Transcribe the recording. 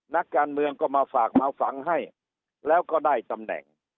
นักการเมืองก็มาฝากมาฝังให้แล้วก็ได้ตำแหน่ง